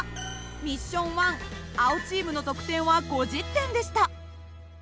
ミッション１青チームの得点は５０点でした。